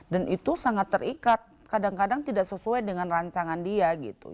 dan itu sangat terikat kadang kadang tidak sesuai dengan rancangan dia